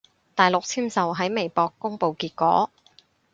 大陸簽售喺微博公佈結果